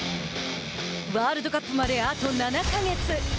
ワールドカップまであと７か月。